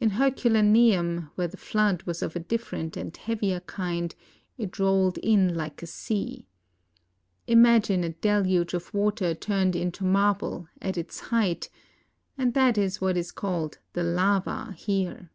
In Herculaneum, where the flood was of a different and heavier kind, it rolled in like a sea. Imagine a deluge of water turned into marble, at its height — and that is what is called " the lava " here.